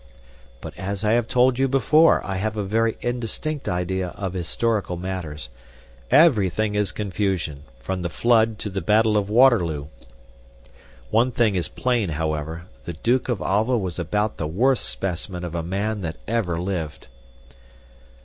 But as I have told you before, I have a very indistinct idea of historical matters. Everything is confusion from the flood to the battle of Waterloo. One thing is plain, however, the Duke of Alva was about the worst specimen of a man that ever lived."